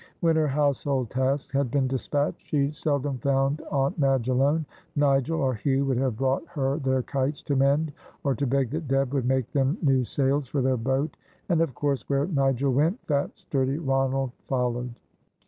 When her household tasks had been despatched, she seldom found Aunt Madge alone; Nigel or Hugh would have brought her their kites to mend, or to beg that Deb would make them new sails for their boat, and, of course, where Nigel went, fat, sturdy Ronald followed.